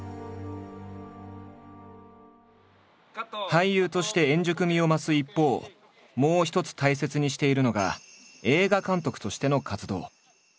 俳優として円熟味を増す一方もう一つ大切にしているのが映画監督としての活動。